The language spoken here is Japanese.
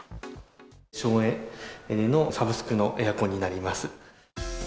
省エネのサブスクのエアコンになります。